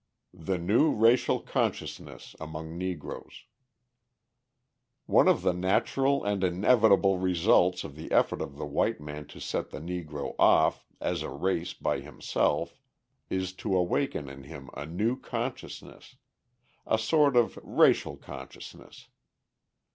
The New Racial Consciousness Among Negroes One of the natural and inevitable results of the effort of the white man to set the Negro off, as a race, by himself, is to awaken in him a new consciousness a sort of racial consciousness.